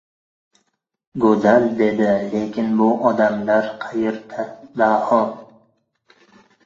— Go‘zal! — dedi. — Lekin bu odamlar qayerda, Daho?